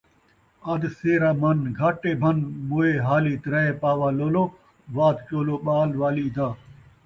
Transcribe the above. ادھ سیرامن، ڳاٹے بھن موئے ہالی ترائے پاوا لولو، وات چولو، ٻال والی دا